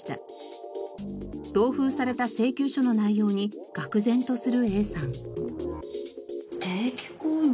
同封された請求書の内容に愕然とするＡさん。